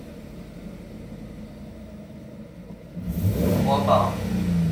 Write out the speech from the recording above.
在根宝足校时他通常司职中前卫或者后腰。